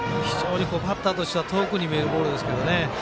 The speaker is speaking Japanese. バッターとしては遠くに見えるボールです。